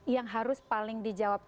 yang harus paling dijawab